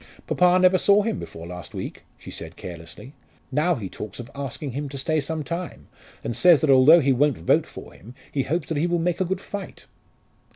"Papa never saw him before last week," she said carelessly. "Now he talks of asking him to stay some time, and says that, although he won't vote for him, he hopes that he will make a good fight."